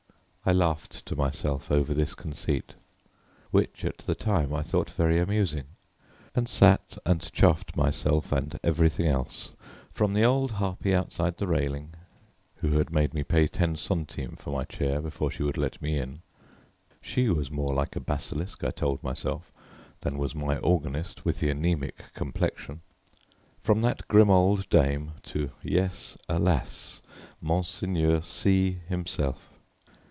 I laughed to myself over this conceit, which, at the time, I thought very amusing, and sat and chaffed myself and everything else, from the old harpy outside the railing, who had made me pay ten centimes for my chair, before she would let me in (she was more like a basilisk, I told myself, than was my organist with the anaemic complexion): from that grim old dame, to, yes, alas! Monseigneur C himself.